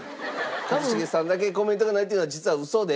一茂さんだけコメントがないっていうのは実はウソで。